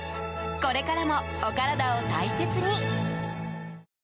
これからもお体を大切に！